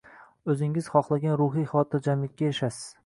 o‘zingiz xohlagan ruhiy xotirjamlikka erishasiz.